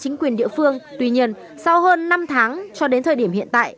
chính quyền địa phương tuy nhiên sau hơn năm tháng cho đến thời điểm hiện tại